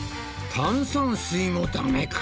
炭酸水もダメか。